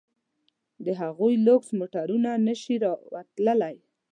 د هغوی لوکس موټرونه نه شي راتلای.